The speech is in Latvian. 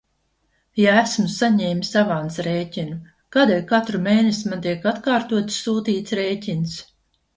Ja esmu saņēmis avansa rēķinu, kādēļ katru mēnesi man tiek atkārtoti sūtīts rēķins?